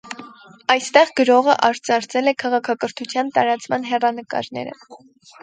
Այստեղ գրողը արծարծել է քաղաքակրթության տարածման հեռանկարները։